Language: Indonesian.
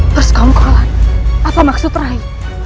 persekongkolan apa maksud rai